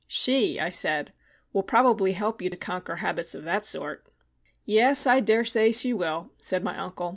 "She," I said, "will probably help you to conquer habits of that sort." "Yes, I dare say she will," said my uncle.